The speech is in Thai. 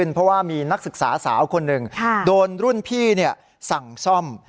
เพราะว่ามีนักศึกษาสาวคนหนึ่งโดนรุ่นพี่สั่งซ่อม